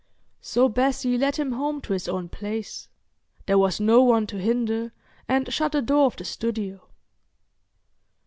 So Bessie led him home to his own place—there was no one to hinder—and shut the door of the studio.